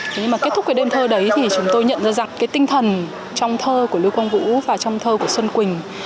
thế nhưng mà kết thúc cái đêm thơ đấy thì chúng tôi nhận ra rằng cái tinh thần trong thơ của lưu quang vũ và trong thơ của xuân quỳnh